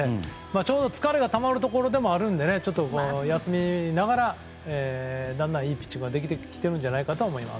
ちょうど疲れがたまるところでもあるので休みながらだんだんいいピッチングができてきているんじゃないかと思います。